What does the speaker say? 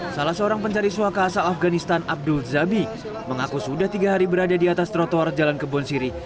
salah seorang pencari suaka asal afganistan abdul zabi mengaku sudah tiga hari berada di atas trotoar jalan kebon siri